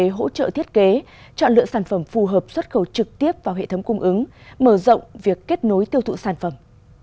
để hỗ trợ thiết kế chọn lựa sản phẩm phù hợp xuất khẩu trực tiếp vào hệ thống cung ứng mở rộng việc kết nối tiêu thụ sản phẩm